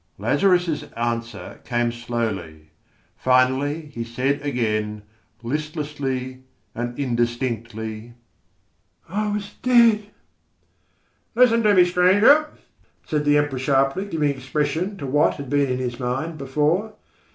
Lazarus' answer came slowly. Finally he said again, listlessly and indistinctly: "I was dead." "Listen to me, stranger," said the Emperor sharply, giving expression to what had been in his mind before.